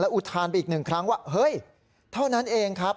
อุทานไปอีกหนึ่งครั้งว่าเฮ้ยเท่านั้นเองครับ